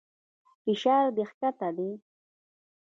فشار دې کښته دى.